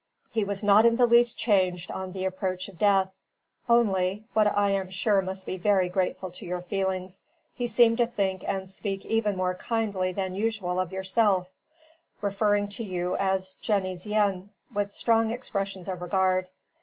He was not in the least changed on the approach of death: only (what I am sure must be very grateful to your feelings) he seemed to think and speak even more kindly than usual of yourself: referring to you as 'Jeannie's yin,' with strong expressions of regard.